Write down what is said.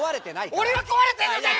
俺は壊れてんのかよ！